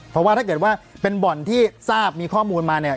เพราะว่าถ้าเกิดว่าเป็นบ่อนที่ทราบมีข้อมูลมาเนี่ย